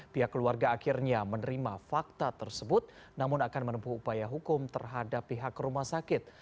pihak keluarga akhirnya menerima fakta tersebut namun akan menempuh upaya hukum terhadap pihak rumah sakit